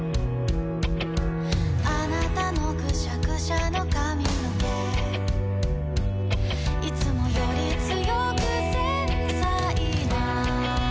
「あなたのくしゃくしゃの髪の毛」「いつもより強く繊細な」